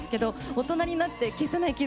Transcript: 大人になって消せない傷